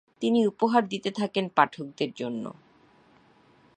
তিনি উপহার দিতে থাকেন পাঠকদের জন্য।